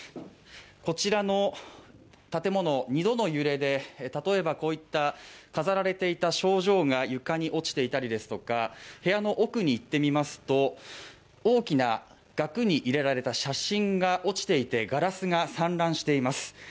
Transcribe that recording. こちらの建物２度の揺れで例えばこういった飾られていた賞状が床に落ちていたりですとか部屋の奥に行ってみますと大きな額に入れられた写真が落ちていてガラスが散乱しています